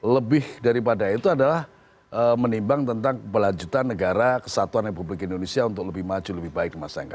lebih daripada itu adalah menimbang tentang kelanjutan negara kesatuan republik indonesia untuk lebih maju lebih baik di masyarakat